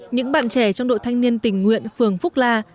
những bạn trẻ trong đội thanh niên tình nguyện phường phúc la